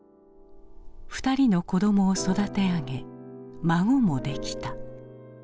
２人の子どもを育て上げ孫もできた。